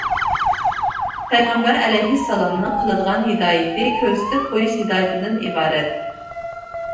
پەيغەمبەر ئەلەيھىسسالامنىڭ قىلىدىغان ھىدايىتى كۆرسىتىپ قويۇش ھىدايىتىدىن ئىبارەت.